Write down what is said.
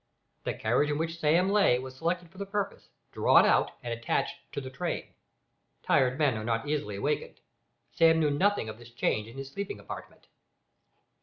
The carriage in which Sam lay was selected for the purpose, drawn out, and attached to the train. Tired men are not easily awakened. Sam knew nothing of this change in his sleeping apartment.